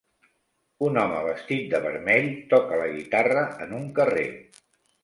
Un home vestit de vermell toca la guitarra en un carrer.